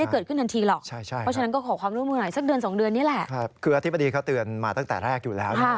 คืออธิบดีเขาเตือนมาตั้งแต่แรกอยู่แล้วนะ